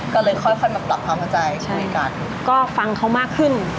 ก็เลยค่อยมาปรับความเข้าใจก็ฟังเขามากขึ้น